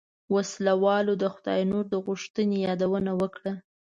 وسله وال د خداينور د غوښتنې يادونه وکړه.